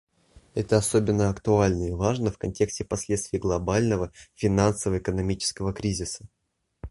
Это особенно актуально и важно в контексте последствий глобального финансово-экономического кризиса.